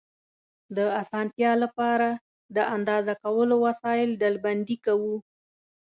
د اسانتیا له پاره، د اندازه کولو وسایل ډلبندي کوو.